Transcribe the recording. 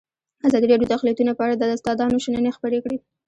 ازادي راډیو د اقلیتونه په اړه د استادانو شننې خپرې کړي.